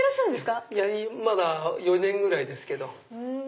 まだ４年ぐらいですけど。